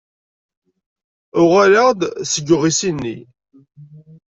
Uɣaleɣ-d seg uɣisiṉni.